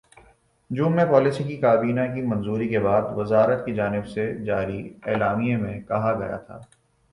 جون میں پالیسی کی کابینہ کی منظوری کے بعد وزارت کی جانب سے جاری اعلامیے میں کہا گیا تھا